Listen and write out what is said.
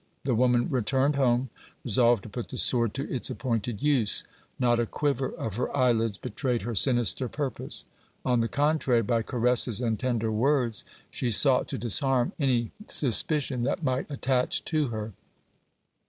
The woman returned home resolved to put the sword to its appointed use. Not a quiver of her eyelids betrayed her sinister purpose. On the contrary, by caresses and tender words she sought to disarm any suspicion that might attack to her.